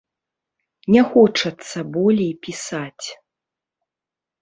Не хочацца болей пісаць.